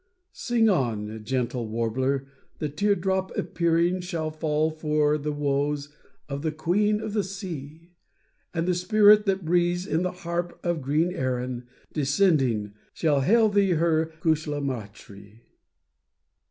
Sing on, gentle warbler, the tear drop appearing Shall fall for the woes of the queen of the sea; And the spirit that breathes in the harp of green Erin, Descending, shall hail thee her "Cushlamachree."